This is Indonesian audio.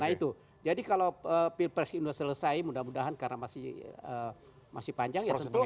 nah itu jadi kalau pilpres indonesia selesai mudah mudahan karena masih panjang